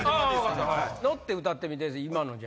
乗って歌ってみて今の。